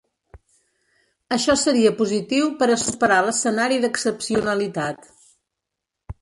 Això seria positiu per a superar l’escenari d’excepcionalitat.